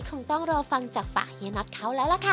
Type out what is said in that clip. คงต้องรอฟังจากป๋าเฮียนท์เขาอ่ะค่ะ